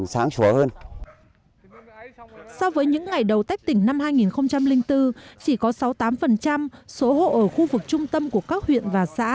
so với những ngày đầu tách tỉnh năm hai nghìn bốn chỉ có sáu mươi tám số hộ ở khu vực trung tâm của các huyện và xã